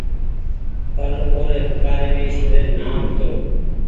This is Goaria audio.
پر اور پوڪآريم ايشوري رو نآم هيتو۔